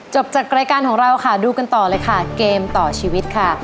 จากรายการของเราค่ะดูกันต่อเลยค่ะเกมต่อชีวิตค่ะ